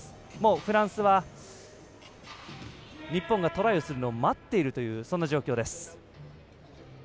フランスは日本がトライをするのを待っているという状況です。